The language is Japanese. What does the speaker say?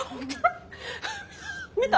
見た？